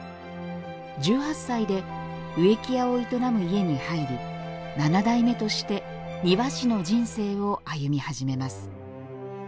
１８歳で植木屋を営む家に入り七代目として庭師の人生を歩み始めます。